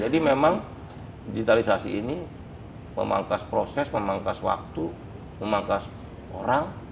jadi memang digitalisasi ini memangkas proses memangkas waktu memangkas orang